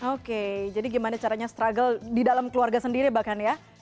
oke jadi gimana caranya struggle di dalam keluarga sendiri bahkan ya